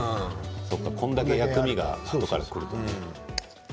こんだけ薬味があとからくると。